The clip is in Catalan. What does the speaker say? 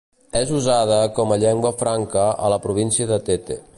És usada com a llengua franca a la província de Tete.